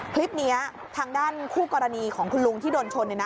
คลิปนี้ทางด้านคู่กรณีของคุณลุงที่โดนชน